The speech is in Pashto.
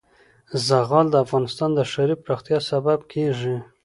زغال د افغانستان د ښاري پراختیا سبب کېږي.